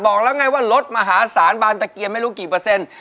บอกแล้วไงว่าลดมหาศาลบานตะเกียมไม่รู้กี่เปอร์เซ็นต์